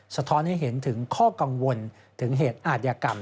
สะท้อนให้เห็นถึงข้อกังวลถึงเหตุอาทยากรรม